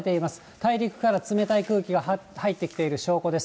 大陸から冷たい空気が入ってきている証拠です。